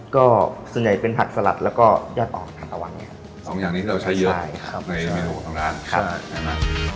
ก็ส่วนใหญ่เป็นผัดสลัดแล้วก็ยาดอ่อนผัดตะวันสองอย่างนี้เราใช้เยอะในเมนูของร้าน